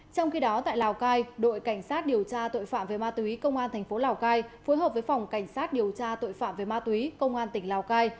trong khi đó tại lào cai đội cảnh sát điều tra tội phạm về ma túy công an thành phố lào cai phối hợp với phòng cảnh sát điều tra tội phạm về ma túy công an tỉnh lào cai